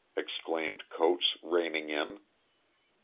exclaimed Coates, reining in.